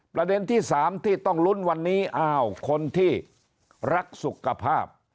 ประเด็นที่๓ที่ต้องลุ้นวันนี้อ้าวคนที่รักสุขภาพ